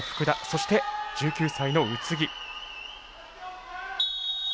そして、１９歳の宇津木。